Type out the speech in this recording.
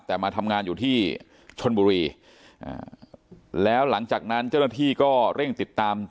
แต่มาทำงานอยู่ที่ชนบุรีแล้วหลังจากนั้นเจ้าหน้าที่ก็เร่งติดตาม